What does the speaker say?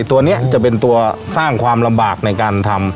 ตัวนี้จะเป็นตัวสร้างความลำบากในการทำ